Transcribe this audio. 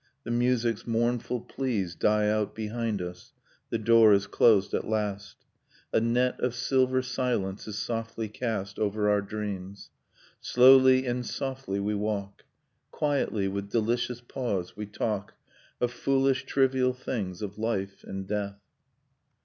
. .the music's mournful pleas Die out behind us, the door is closed at last, A net of silver silence is softly cast Over our dreams ... slowly and softly we walk. Quietly, with delicious pause, we talk, Of foolish trivial things, of life and death.